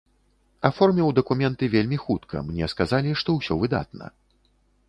Аформіў дакументы вельмі хутка, мне сказалі, што ўсё выдатна.